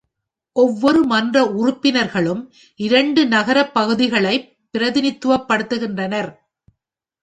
ஒவ்வொரு மன்ற உறுப்பினர்களும் இரண்டு நகரப் பகுதிகளைப் பிரதிநிதித்துவப்படுத்துகின்றனர்.